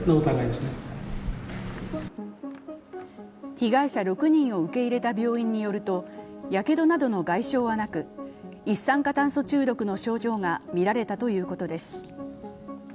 被害者６人を受け入れた病院によると、やけどなどの外傷はなく一酸化炭素中毒の症状がみられたということです。